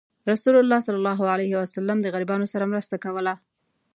رسول الله صلى الله عليه وسلم د غریبانو سره مرسته کوله.